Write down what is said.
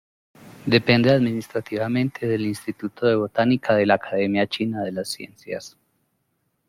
Depende administrativamente del Instituto de Botánica de la Academia China de las Ciencias.